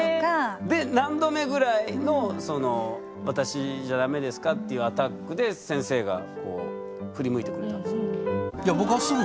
で何度目ぐらいのその私じゃだめですかっていうアタックで先生がこう振り向いてくれたんですか？